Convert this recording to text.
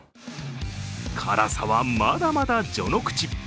辛さはまだまだ序の口。